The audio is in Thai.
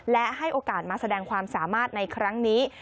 และให้โอกาสมาแสดงความสามารถในครั้งนี้